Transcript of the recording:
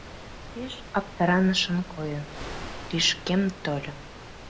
Пеш аптыранышын койын, лишкем тольо.